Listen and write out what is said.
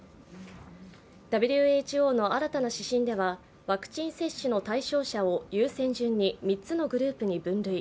ＷＨＯの新たな指針ではワクチン接種の対象者を優先順に３つのグループに分類。